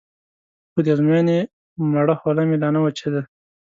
خو د ازموینې مړه خوله مې لا نه وچېده.